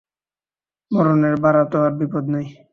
মরণের বাড়া তো আর বিপদ নাই!